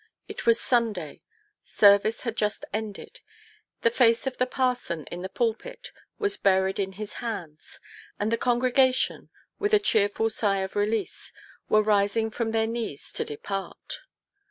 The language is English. It was Sunday : service had just ended, the face of the parson in the pulpit was buried in his hands, and the congregation, with a cheerful sigh of release, were rising from their knees to depart.